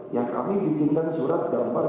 ya kami bikinkan surat gambar